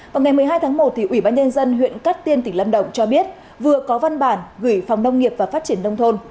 vào ngày một mươi hai tháng một ủy ban nhân dân huyện cát tiên tỉnh lâm đồng cho biết vừa có văn bản gửi phòng nông nghiệp và phát triển nông thôn